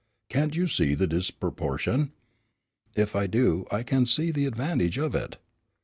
Can't you see the disproportion?" "If I do, I can also see the advantage of it."